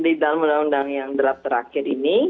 di dalam undang undang yang draft terakhir ini